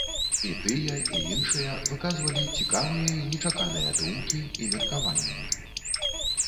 І тыя, і іншыя выказвалі цікавыя і нечаканыя думкі і меркаванні.